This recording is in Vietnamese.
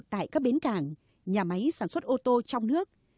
tại các bến cảng nhà máy sản xuất ô tô trong nước